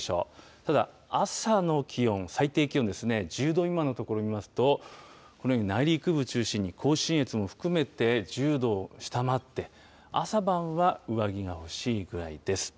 ただ、朝の気温、最低気温ですね、１０度未満の所を見ますと、このように内陸部を中心に、甲信越も含めて、１０度を下回って、朝晩は上着が欲しいくらいです。